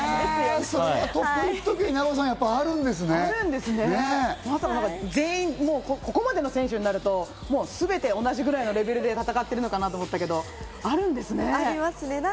得意、不得意があるんですね、ここまでの選手になると、すべて同じぐらいのレベルで戦ってるのかなと思ったけど、あるんですね。ありますね。